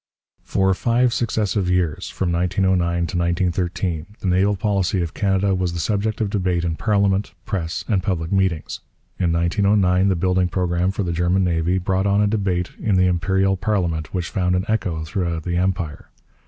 For five successive years, from 1909 to 1913, the naval policy of Canada was the subject of debate in parliament, press, and public meetings. In 1909 the building programme for the German navy brought on a debate in the Imperial parliament which found an echo throughout the Empire.